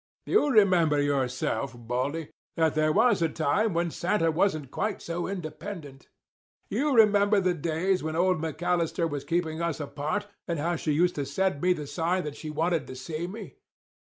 "You remember, yourself, Baldy, that there was a time when Santa wasn't quite so independent. You remember the days when old McAllister was keepin' us apart, and how she used to send me the sign that she wanted to see me?